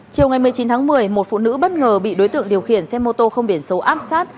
chiều ngày một mươi chín tháng một mươi một phụ nữ bất ngờ bị đối tượng điều khiển xe mô tô không biển số áp sát